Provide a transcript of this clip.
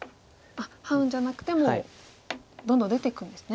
ハウんじゃなくてもうどんどん出ていくんですね。